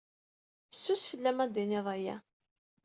Fessus fell-am ad d-tiniḍ aya.